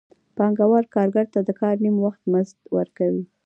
پانګوال کارګر ته د کار نیم وخت مزد ورکوي